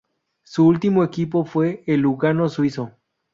Su último equipo fue el Lugano suizo.